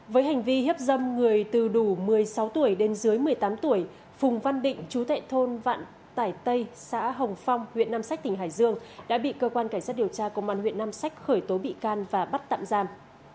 với hành vi hiếp dâm người từ đủ một mươi sáu tuổi đến dưới một mươi tám tuổi phùng văn định chú tệ thôn vạn tải tây xã hồng phong huyện nam sách tỉnh hải dương đã bị cơ quan cảnh sát điều tra công an huyện nam sách khởi tố bị can và bắt tạm giam